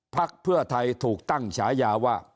พักเพื่อไทยถูกตั้งฉายาว่า